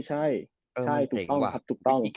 ใช่ถูกต้อง